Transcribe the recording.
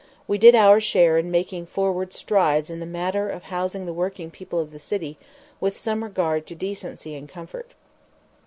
We did our share in making forward strides in the matter of housing the working people of the city with some regard to decency and comfort.